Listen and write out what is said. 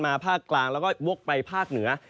ภาคกลางแล้วก็วกไปภาคเหนือ